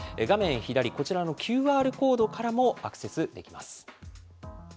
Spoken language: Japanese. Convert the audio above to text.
画面左、こちらのＱＲコードからもアクセスできます。